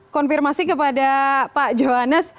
konfirmasi kepada pak johannes